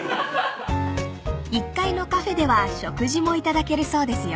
［１階のカフェでは食事も頂けるそうですよ］